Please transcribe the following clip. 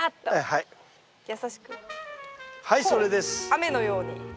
雨のように。